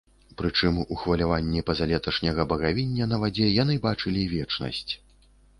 Прычым у хваляванні пазалеташняга багавіння на вадзе яны бачылі вечнасць.